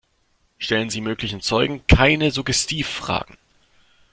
Stellen Sie möglichen Zeugen keine Suggestivfragen.